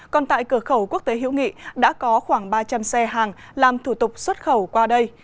còn tại cửa khẩu quốc tế hữu nghị đã có khoảng ba trăm linh xe hàng làm thủ tục xuất khẩu qua đây